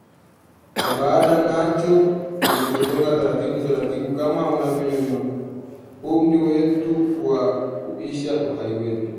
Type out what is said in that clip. Na labda nacho kinakonga taratibu taratibu kama unavyoyoyoma umri wetu na kuisha uhai wetu